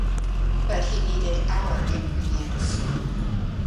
But he needed our ingredients.